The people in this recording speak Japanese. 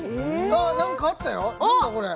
あっ何かあったよ何だこれ？